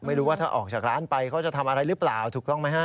ไม่รู้ว่าถ้าออกจากร้านไปเขาจะทำอะไรหรือเปล่าถูกต้องไหมฮะ